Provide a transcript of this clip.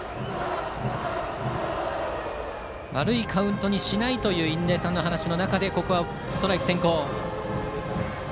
悪いカウントにしないという印出さんの言葉の中でここはストライク先行。